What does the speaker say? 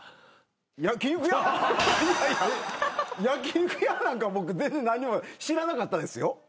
焼肉屋なんか僕何にも知らなかったですよ。